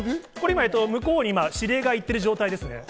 向こうに今、指令が行ってる状態です。